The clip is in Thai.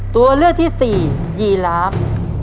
ตัวเลือกที่สี่ยีลาฟ